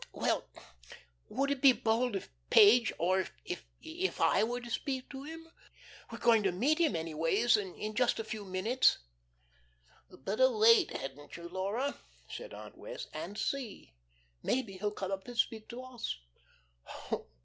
"Well, would it be bold if Page, or if if I were to speak to him? We're going to meet him anyways in just a few minutes." "Better wait, hadn't you, Laura," said Aunt Wess', "and see. Maybe he'll come up and speak to us."